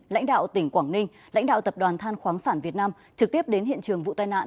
lãnh đạo tỉnh quảng ninh lãnh đạo tập đoàn than khoáng sản việt nam trực tiếp đến hiện trường vụ tai nạn